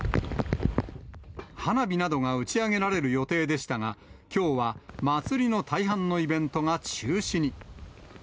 花火などが打ち上げられる予定でしたが、きょうは祭りの大半のイベントが中止に。